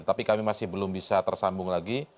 tapi kami masih belum bisa tersambung lagi